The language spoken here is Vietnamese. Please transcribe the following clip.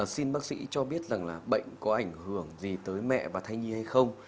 xin bác sĩ cho biết là bệnh có ảnh hưởng gì tới mẹ và thay nhi hay không